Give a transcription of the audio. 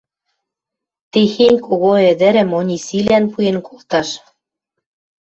Техень кого ӹдӹрӹм Онисилӓн пуэн колташ?